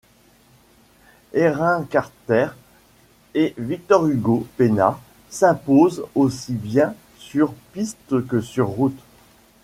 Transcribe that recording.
Erin Carter et Víctor Hugo Peña s'imposent aussi bien sur piste que sur route.